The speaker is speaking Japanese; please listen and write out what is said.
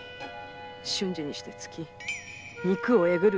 瞬時にして突き肉を抉る。